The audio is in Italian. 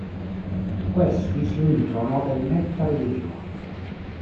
Questi si nutrono del nettare dei fiori.